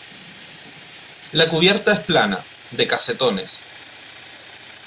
La cubierta es plana, de casetones.